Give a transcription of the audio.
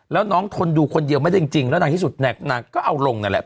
แล้วน้องทนดูคนเดียวไม่ได้จริงแล้วในที่สุดนางก็เอาลงนั่นแหละ